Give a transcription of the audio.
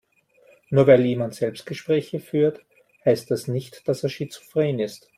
Nur weil jemand Selbstgespräche führt, heißt das nicht, dass er schizophren ist.